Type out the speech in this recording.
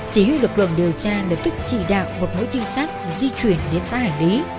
chỉ huy lực lượng điều tra lực tích chỉ đạo một mối trinh sát di chuyển đến xã hải lý